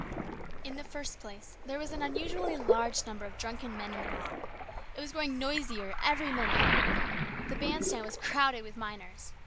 In the first place there was an unusually large number of drunken men in the mob. It was growing noisier every minute. The band stand was crowded with miners.